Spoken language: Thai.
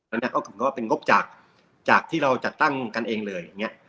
แล้วก็เป็นงบจากจากที่เราจัดตั้งกันเองเลยอย่างเงี้ย